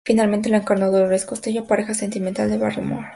Finalmente la encarnó Dolores Costello, pareja sentimental de Barrymore.